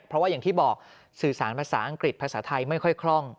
เพราะว่าอย่างที่บอกสื่อสารภาษาอังกฤษภาษาไทยไม่ค่อยคล่อง